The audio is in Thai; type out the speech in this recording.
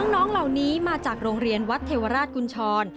น้องเหล่านี้มาจากโรงเรียนวัดเทวราชกุญชร